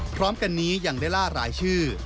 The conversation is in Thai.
พร้อมกันนี้ยังได้ล่ารายชื่อ